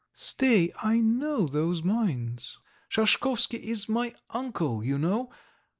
"Stay, I know those mines. Shashkovsky is my uncle, you know.